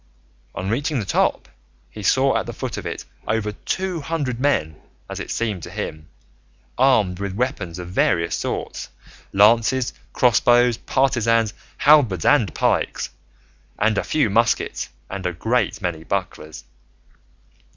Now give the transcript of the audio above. On reaching the top he saw at the foot of it over two hundred men, as it seemed to him, armed with weapons of various sorts, lances, crossbows, partisans, halberds, and pikes, and a few muskets and a great many bucklers.